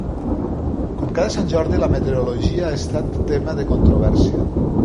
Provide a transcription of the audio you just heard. Com cada Sant Jordi, la meteorologia ha estat tema de controvèrsia.